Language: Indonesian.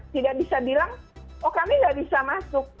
tidak bisa bilang oh kami tidak bisa masuk